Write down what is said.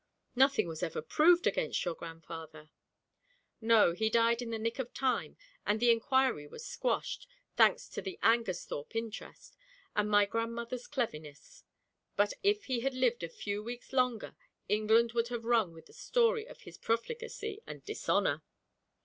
'Nothing was ever proved against your grandfather.' 'No, he died in the nick of time, and the inquiry was squashed, thanks to the Angersthorpe interest, and my grandmother's cleverness. But if he had lived a few weeks longer England would have rung with the story of his profligacy and dishonour.